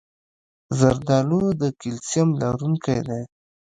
زردالو د کلسیم لرونکی ده.